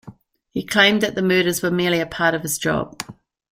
He claimed that the murders were merely a part of his job.